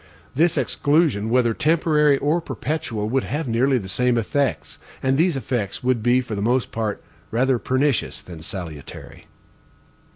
This exclusion, whether temporary or perpetual, would have nearly the same effects, and these effects would be for the most part rather pernicious than salutary.